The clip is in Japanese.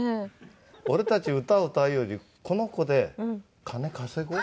俺たち歌を歌うよりこの子で金稼ごう。